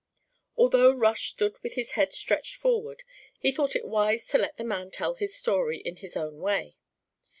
Although Rush stood with his head stretched forward, he thought it wise to let the man tell his story in his own way.